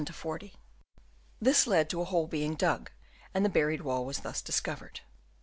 This led to a hole being dug, and the buried wall was thus discovered.